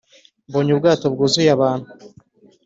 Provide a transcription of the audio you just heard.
mbonye ubwato bwuzuye abantu